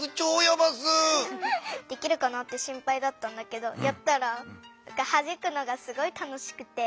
できるかなって心ぱいだったんだけどやったらはじくのが楽しくて。